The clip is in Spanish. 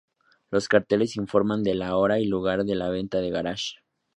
Los carteles informan de la hora y lugar de la venta de garaje.